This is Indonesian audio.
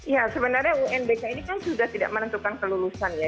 ya sebenarnya unbk ini kan sudah tidak menentukan kelulusan ya